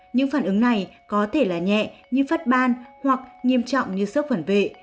những phản ứng này có thể là nhẹ như phất ban hoặc nghiêm trọng như sức phản vệ